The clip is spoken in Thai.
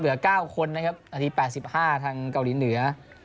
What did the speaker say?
เหลือเก้าคนนะครับนาทีแปดสิบห้าทางเกาหลีเหนือ